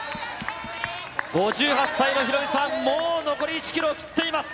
５８歳のヒロミさん、もう残り１キロを切っています。